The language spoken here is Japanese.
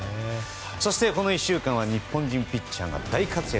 そしてこの１週間は日本人ピッチャーが大活躍。